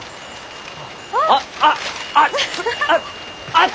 あっ！